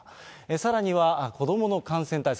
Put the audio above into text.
さらには子どもの感染対策。